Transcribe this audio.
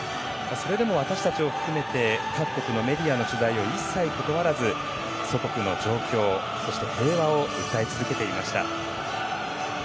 それでも私たちを含めて各国のメディアの取材を一切断らず、祖国の状況そして平和を訴え続けていました。